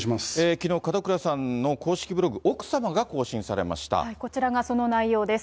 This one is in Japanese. きのう、門倉さんの公式ブロこちらがその内容です。